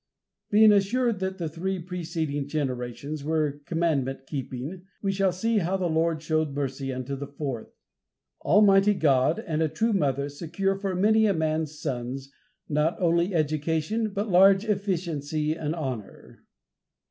Being assured that the three preceding generations were commandment keeping, we shall see how the Lord showed mercy unto the fourth. Almighty God and a true mother secure for many a man's sons, not only education, but large efficiency and honor.